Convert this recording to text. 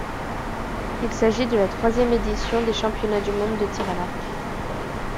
Il s'agit de la troisième édition des championnats du monde de tir à l'arc.